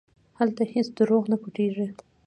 هلته هېڅ دروغ نه پټېږي.